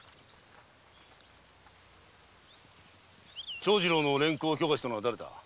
長次郎の連行を許可したのは誰だ？